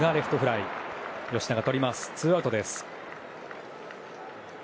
ツーアウトです。